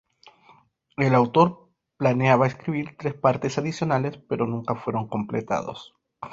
El autor planeaba escribir tres partes adicionales pero nunca fueron completados.